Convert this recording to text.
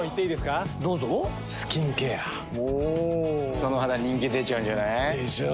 その肌人気出ちゃうんじゃない？でしょう。